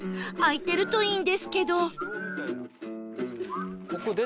開いてるといいんですけど